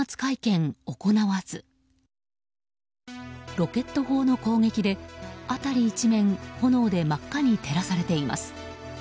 ロケット砲の攻撃で、辺り一面炎で真っ赤に照らされています。